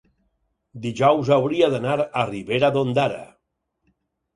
dijous hauria d'anar a Ribera d'Ondara.